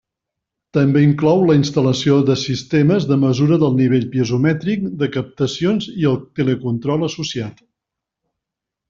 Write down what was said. També inclou la instal·lació de sistemes de mesura del nivell piezomètric de captacions i el telecontrol associat.